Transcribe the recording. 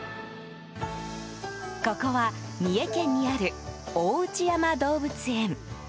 ここは、三重県にある大内山動物園。